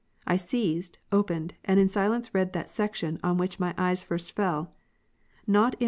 I seized, opened, and in silence read that section, on which my eyes first fell : Not in Rom.